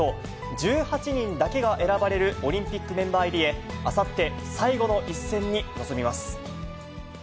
１８人だけが選ばれるオリンピックメンバー入りへ、あさって、最後の一戦に臨みます。